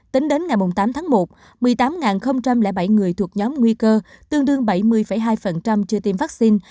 tính đến ngày tám tháng một một mươi tám bảy người thuộc nhóm nguy cơ tương đương bảy mươi hai chưa tiêm vaccine